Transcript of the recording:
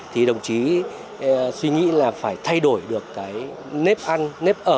thì đồng chí suy nghĩ là phải thay đổi được cái nếp ăn nếp ở